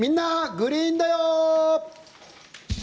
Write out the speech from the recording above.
グリーンだよ」。